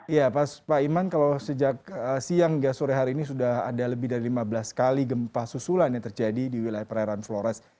ya pak iman kalau sejak siang hingga sore hari ini sudah ada lebih dari lima belas kali gempa susulan yang terjadi di wilayah perairan flores